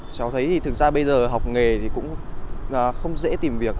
cháu thấy thì thực ra bây giờ học nghề thì cũng không dễ tìm việc